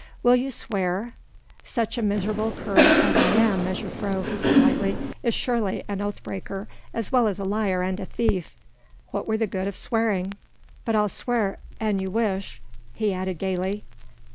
"Will you swear...." "Such a miserable cur as I am, mejuffrouw," he said lightly, "is surely an oath breaker as well as a liar and a thief what were the good of swearing?... But I'll swear an you wish ..." he added gaily.